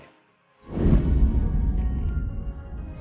orang lain boleh bilang lo pembunuh sayang